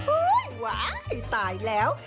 อุ๊ยว้าวให้ตายแล้ว